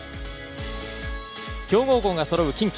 強豪校がそろう近畿。